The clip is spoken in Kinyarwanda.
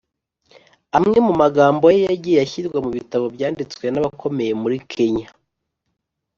Amwe mu magambo ye yagiye ashyirwa mu bitabo byanditswe n’abakomeye muri Kenya